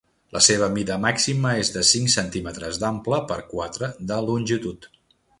La seva mida màxima és de cinc centímetres d'ample per quatre de longitud.